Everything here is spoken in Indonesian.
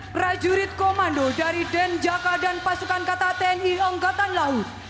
prajurit komando dari denjaka dan pasukan kata tni angkatan laut